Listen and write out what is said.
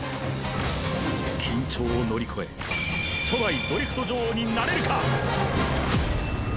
緊張を乗り越え初代ドリフト女王になれるか？